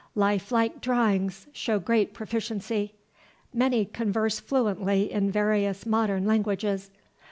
life like drawings, showing great proficiency.... Many converse fluently in various modern languages....